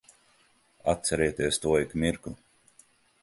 Atcerieties to ik mirkli.